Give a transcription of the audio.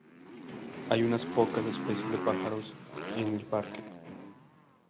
Hay unas pocas especies de pájaros en el parque.